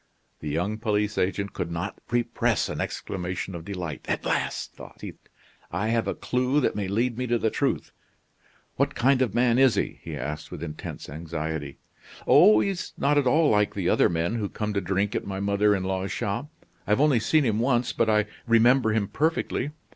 The young police agent could not repress an exclamation of delight. "At last," thought he, "I have a clue that may lead me to the truth. What kind of man is he?" he asked with intense anxiety. "Oh! he is not at all like the other men who come to drink at my mother in law's shop. I have only seen him once; but I remember him perfectly.